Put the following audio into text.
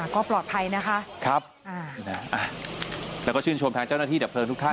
ก็ปลอดภัยนะคะครับแล้วก็ชื่นชมทางเจ้าหน้าที่ดับเพลิงทุกท่าน